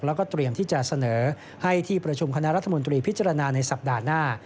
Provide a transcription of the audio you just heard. แล้วก็เตรียมที่จะเสนอให้ที่ประชุมคณะรัฐมนตรีพิจารณาในสัปดาห์หน้า